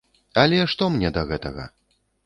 Але што мне да гэтага!